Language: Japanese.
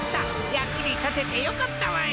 役に立ててよかったわい！